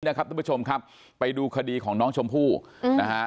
ทุกผู้ชมครับไปดูคดีของน้องชมพู่นะฮะ